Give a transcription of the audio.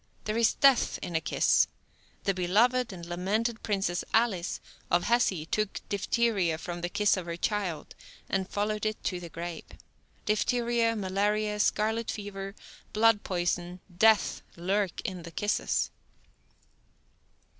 There is death in a kiss. The beloved and lamented Princess Alice, of Hesse, took diphtheria from the kiss of her child, and followed it to the grave. Diphtheria, malaria, scarlet fever, blood poison, death lurk in the kisses!"